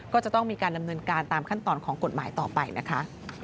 ก็จะต้องมีการดำเนินการตามขั้นตอนของกฎหมายต่อไปนะคะ